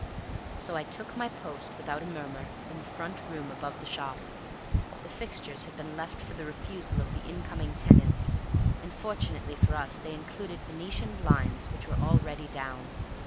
So I took my post without a murmur in the front room above the shop. The fixtures had been left for the refusal of the incoming tenant, and fortunately for us they included Venetian blinds which were already down.